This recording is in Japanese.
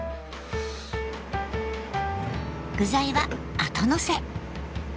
具材は後のせ。